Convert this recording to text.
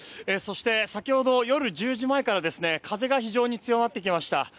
先ほど夜１０時前から風が強まってきました。